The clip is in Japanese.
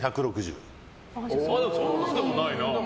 そんなでもないな。